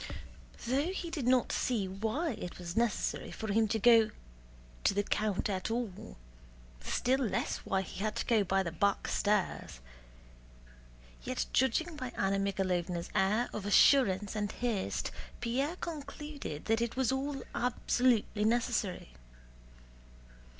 Though he did not see why it was necessary for him to go to the count at all, still less why he had to go by the back stairs, yet judging by Anna Mikháylovna's air of assurance and haste, Pierre concluded that it was all absolutely necessary.